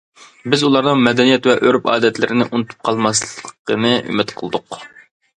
بىز ئۇلارنىڭ مەدەنىيەت ۋە ئۆرپ-ئادەتلىرىنى ئۇنتۇپ قالماسلىقىنى ئۈمىد قىلدۇق.